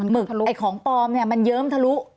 ไอ้ของปลอมเนี่ยมันเยิ้มทะลุ